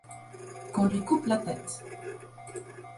Qu’on lui coupe la tête !